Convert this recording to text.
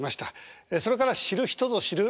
それから知る人ぞ知る